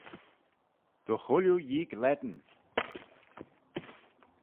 Dy chooilley yeeig lane